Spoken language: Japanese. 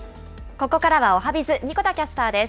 ここからはおはＢｉｚ、神子田キャスターです。